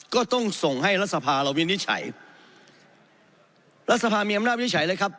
ก็ต้องส่งให้รัฐสภาเราวินิจฉัยรัฐสภามีอำนาจวิจัยเลยครับ